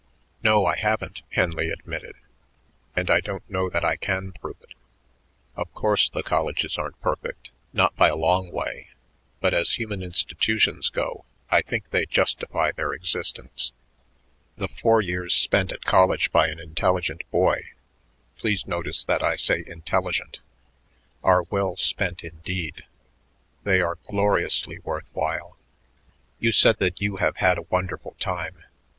"No, I haven't," Henley admitted, "and I don't know that I can prove it. Of course, the colleges aren't perfect, not by a long way, but as human institutions go, I think they justify their existence. The four years spent at college by an intelligent boy please notice that I say intelligent are well spent indeed. They are gloriously worth while. You said that you have had a wonderful time.